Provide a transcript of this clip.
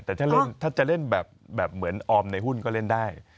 แต่ถ้าจะเล่นแบบเหมือนออมในหุ้นก็เล่นได้